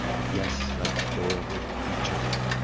Yes, adorable creature!